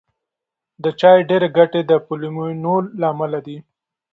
د چای ډېری ګټې د پولیفینول له امله دي.